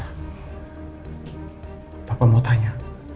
apa mau tanya